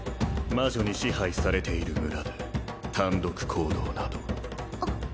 魔女に支配されている村で単独行動など